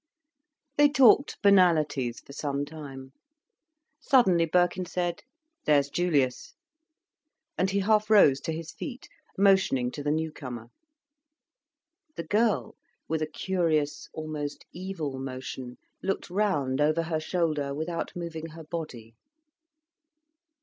They talked banalities for some time. Suddenly Birkin said: "There's Julius!" and he half rose to his feet, motioning to the newcomer. The girl, with a curious, almost evil motion, looked round over her shoulder without moving her body.